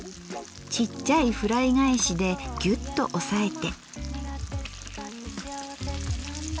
ちっちゃいフライ返しでギュッと押さえて。